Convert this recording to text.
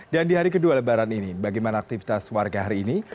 dan di hari kedua lebaran ini bagaimana aktivitas warga hari ini